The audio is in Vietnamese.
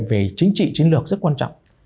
về chính trị chính lược rất quan trọng